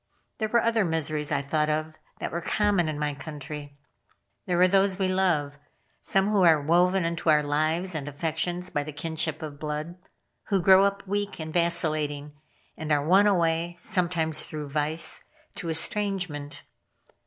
There were other miseries I thought of that were common in my country. There were those we love. Some who are woven into our lives and affections by the kinship of blood; who grow up weak and vacillating, and are won away, sometimes through vice, to estrangement.